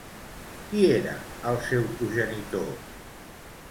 Qui era el seu progenitor?